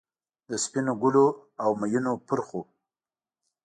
د سپینو ګلو، اومیینو پرخو،